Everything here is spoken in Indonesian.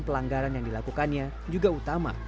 pelanggaran yang dilakukannya juga utama